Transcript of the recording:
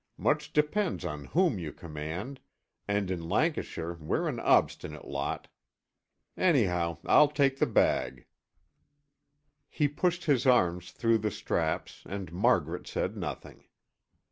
Much depends on whom you command, and in Lancashire we're an obstinate lot. Anyhow, I'll take the bag." He pushed his arms through the straps and Margaret said nothing.